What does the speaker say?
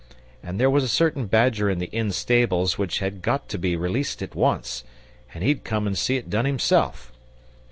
And there was a certain badger in the inn stables which had got to be released at once, and he'd come and see it done himself.